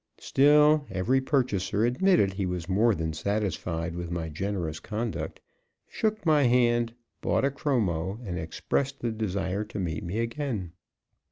Still every purchaser admitted he was more than satisfied with my generous conduct, shook my hand, bought a chromo and expressed the desire to meet me again.